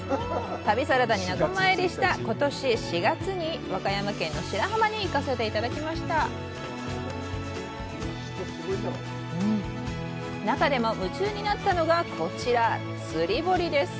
旅サラダに仲間入りした今年４月に和歌山県の白浜に行かせて頂きました中でも夢中になったのがこちら釣堀です